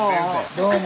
どうも。